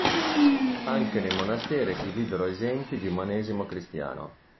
Anche nei monasteri si videro esempi di umanesimo cristiano.